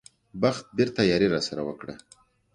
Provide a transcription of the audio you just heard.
بخت بېرته یاري راسره وکړه.